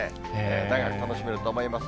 長く楽しめると思います。